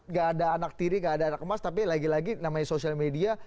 gak ada anak tiri gak ada anak emas tapi lagi lagi namanya sosial media